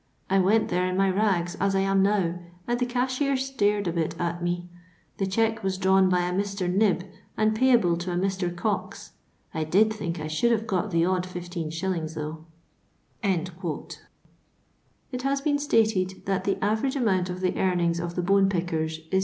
I went there in my rags, as I am now, and the cashier stared a bit at me. The cheque was drawn by a Mr. Knibb, and payable to a Mr. Cox. I did think I should have got the odd 15s. though." It has been stated that the average amount of the earnings of the bone pickers is 6